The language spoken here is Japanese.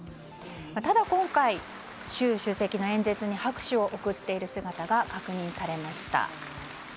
ただ今回、習主席の演説に拍手を送っている姿が確認されました。